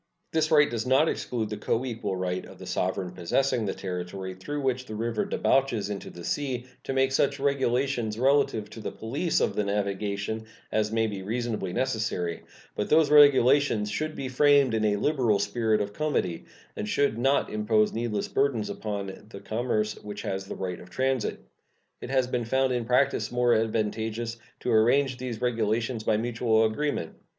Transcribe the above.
This right does not exclude the coequal right of the sovereign possessing the territory through which the river debouches into the sea to make such regulations relative to the police of the navigation as may be reasonably necessary; but those regulations should be framed in a liberal spirit of comity, and should not impose needless burdens upon the commerce which has the right of transit. It has been found in practice more advantageous to arrange these regulations by mutual agreement.